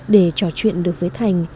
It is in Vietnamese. để trò chuyện được với thành